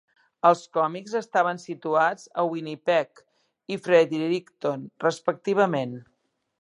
Els còmics estaven situats a Winnipeg i Fredericton, respectivament.